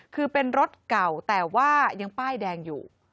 คือเป็นรถเก่าแต่ว่ายังป้ายแดงอยู่